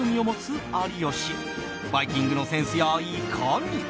バイキングのセンスやいかに？